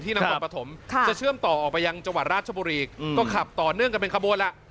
นครปฐมจะเชื่อมต่อออกไปยังจังหวัดราชบุรีก็ขับต่อเนื่องกันเป็นขบวนล่ะ